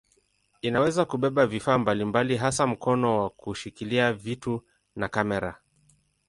Inaweza kubeba vifaa mbalimbali hasa mkono wa kushikilia vitu na kamera.